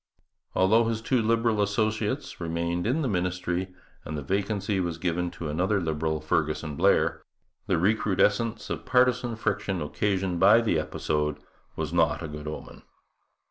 Although his two Liberal associates remained in the ministry, and the vacancy was given to another Liberal, Fergusson Blair, the recrudescence of partisan friction occasioned by the episode was not a good omen.